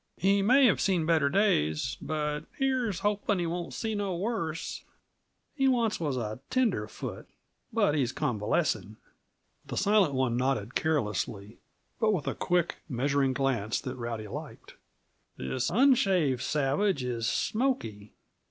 He may have seen better days; but here's hoping he won't see no worse! He once was a tenderfoot; but he's convalescing." The Silent One nodded carelessly, but with a quick, measuring glance that Rowdy liked. "This unshaved savage is Smoky.